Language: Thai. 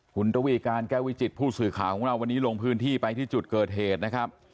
คุณระวีการแก้ววิจิตผู้สื่อข่าวของเราวันนี้ลงพื้นที่ไปที่จุดเกิดเหตุนะครับ